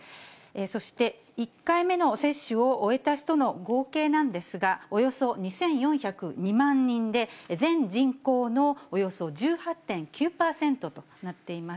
そして１回目の接種を終えた人の合計なんですが、およそ２４０２万人で、全人口のおよそ１８．９％となっています。